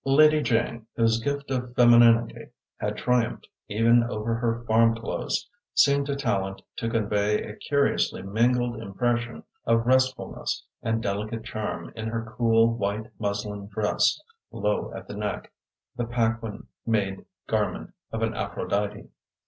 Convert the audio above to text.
Lady Jane, whose gift of femininity had triumphed even over her farm clothes, seemed to Tallente to convey a curiously mingled impression of restfulness and delicate charm in her cool, white muslin dress, low at the neck, the Paquin made garment of an Aphrodite.